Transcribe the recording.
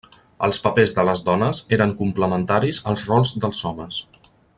Els papers de les dones eren complementaris als rols dels homes.